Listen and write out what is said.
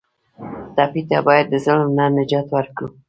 ټپي ته باید د ظلم نه نجات ورکړو.